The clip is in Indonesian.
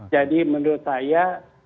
jadi menurut saya